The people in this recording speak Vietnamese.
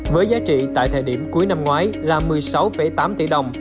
với giá trị tại thời điểm cuối năm ngoái là một mươi sáu tám tỷ đồng